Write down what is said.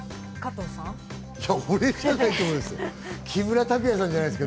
俺じゃないと思いますよ。